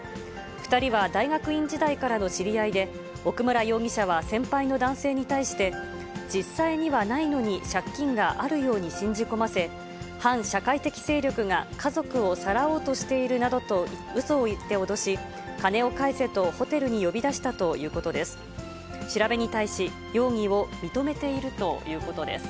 ２人は大学院時代からの知り合いで、奥村容疑者は先輩の男性に対して、実際にはないのに、借金があるように信じ込ませ、反社会的勢力が家族をさらおうとしているなどとうそを言って脅し、金を返せと、ホテルに呼び出したということです。